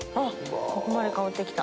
ここまで香ってきた。